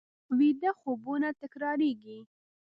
ویده خوبونه تکرارېږي